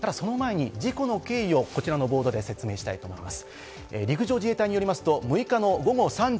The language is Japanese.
ただその前に事故の経緯をこちらのボードで説明します。